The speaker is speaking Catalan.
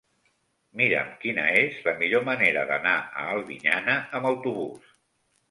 Mira'm quina és la millor manera d'anar a Albinyana amb autobús.